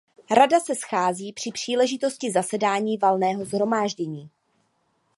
Rada se schází při příležitosti zasedání Valného shromáždění.